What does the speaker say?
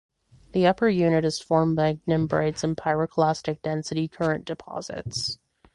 The upper unit is formed by ignimbrites and pyroclastic density current deposits.